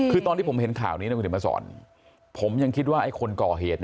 คือตอนที่ผมเห็นข่าวนี้นะคุณเห็นมาสอนผมยังคิดว่าไอ้คนก่อเหตุ